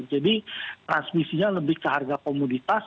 jadi transmisinya lebih ke harga komoditas